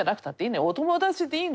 お友達でいいのよ。